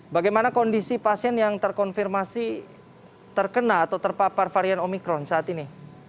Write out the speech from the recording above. bagaimana kondisi pasien yang terkonfirmasi terkena atau terpapar varian omikron saat ini